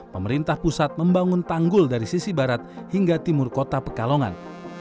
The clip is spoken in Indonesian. pemerintah pusat membangun tanggul dari sisi barat hingga timur kota pekalongan